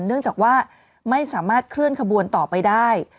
เนื่องจากว่าไม่สามารถเคลื่อนขบวนต่อไปได้